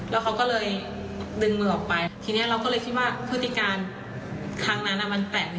แล้วก็ขอร้องเรียนเพื่อความเป็นธรรมว่าในสิ่งที่เขาทำพฤติการแบบนี้